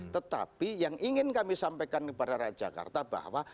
tetapi yang ingin kami sampaikan kepada rakyat jakarta bahwa